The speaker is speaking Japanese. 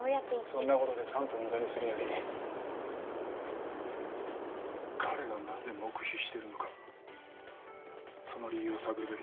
そんな事で３分無駄にするより彼がなぜ黙秘してるのかその理由を探るべきだろ。